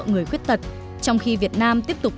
người khuyết tật trong khi việt nam tiếp tục